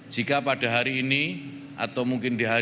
jika pada hari ini atau mungkin dihubungkan